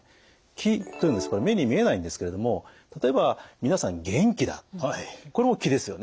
気というのはこれ目に見えないんですけれども例えば皆さん元気だこれも気ですよね？